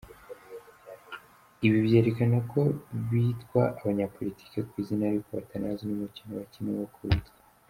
Ibi byerekana ko bitwa abanyapolitiki ku izina ariko batanazi n’umukino bakina uko witwa